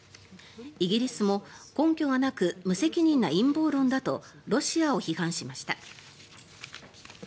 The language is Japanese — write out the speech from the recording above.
イギリスも根拠がなく無責任な陰謀論だとロシアを批判しました。